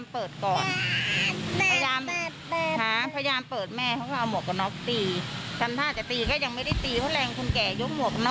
พิก็ได้ทำอะไรเนี่ยในช่วงจอดฝั่งของเธอก็ถูกเท่าไร